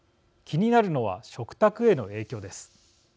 気になるのは、食卓への影響です。